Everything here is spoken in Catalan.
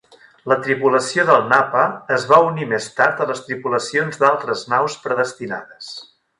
La tripulació del "Napa" es va unir més tard a les tripulacions d'altres naus predestinades.